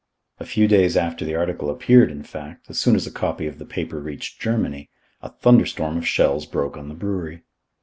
A few days after the article appeared, in fact, as soon as a copy of the paper reached Germany, a thunderstorm of shells broke on the brewery.